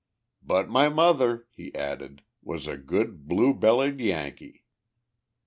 "But my mother," he added, "was a good blue bellied Yankee."